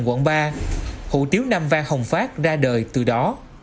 quận ba hủ tiếu nam vang hồng phát ra đời từ đó